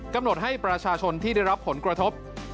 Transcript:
กำหนดให้ประชาชนที่ได้รับผลกระทบ